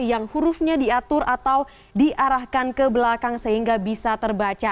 yang hurufnya diatur atau diarahkan ke belakang sehingga bisa terbaca